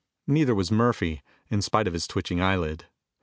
Neither was Murphy, in spite of his twitching eyelid.